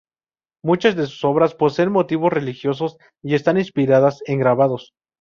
Muchas de sus obras poseen motivos religiosos y están inspiradas en grabados.